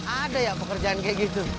ada ya pekerjaan kayak gitu